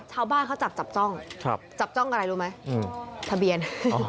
ชาวบ้านเขาจับจับจ้องจับจ้องอะไรรู้ไหมทะเบียน